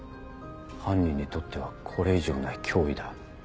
犯人にとってはこれ以上ない脅威だ。